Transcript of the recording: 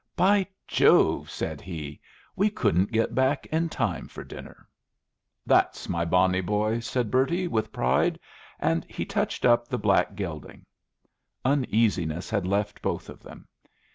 "By Jove!" said he, "we couldn't get back in time for dinner." "There's my bonny boy!" said Bertie, with pride; and he touched up the black gelding. Uneasiness had left both of them.